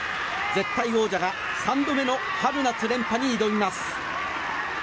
絶対王者が３度目の春夏連覇に挑みます。